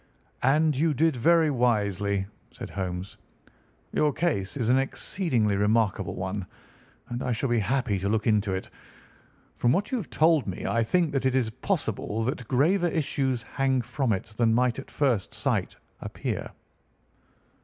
"And you did very wisely," said Holmes. "Your case is an exceedingly remarkable one, and I shall be happy to look into it. From what you have told me I think that it is possible that graver issues hang from it than might at first sight appear."